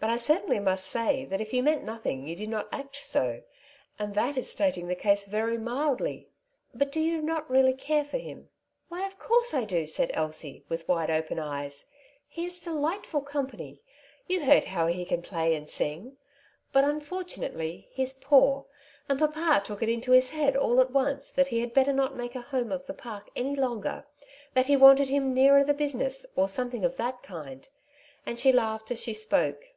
But I certainly must say that if you meant nothing you did not act so ; and that is stating the case very mildly. But do you not really care for him ?^''' Why, of course I do," said Elsie, with wide open eyes. "He is delightful company; you heard how he can play and sing. But unfortunately he^s poor ; and papa took it into his head all at once that he had better not make a home of the Park any longer, that he wanted him nearer the business, or something of that kind,^^ and she laughed as she spoke.